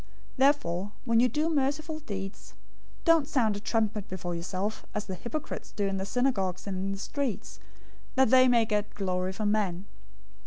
006:002 Therefore when you do merciful deeds, don't sound a trumpet before yourself, as the hypocrites do in the synagogues and in the streets, that they may get glory from men.